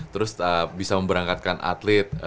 terus bisa memberangkatkan atlet